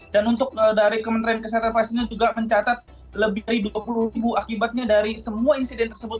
dan untuk dari kementerian kesehatan palestina juga mencatat lebih dari dua puluh ribu akibatnya dari semua insiden tersebut